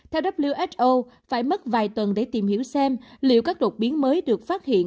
theo who phải mất vài tuần để tìm hiểu xem liệu các đột biến mới được phát hiện